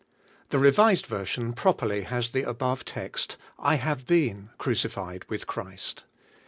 HE Revised Version properly has the above text "I have been crucified with Christ."